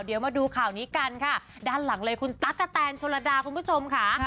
เดี๋ยวมาดูข่าวนี้กันค่ะด้านหลังเลยคุณตั๊กกะแตนชนระดาคุณผู้ชมค่ะ